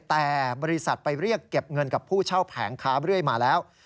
แต่บริษัทไปเรียกเก็บเงินกับผู้เช่าแผงค้าเรื่อยมาแล้ว